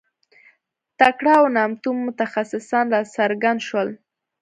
تکړه او نامتو متخصصان راڅرګند شول.